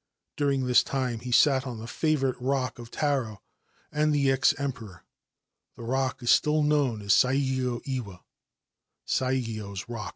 During this time he sat on the favourite re of Taro and the ex Emperor. The rock is still known ' Saigyo iwa ' (Saigyo's Rock).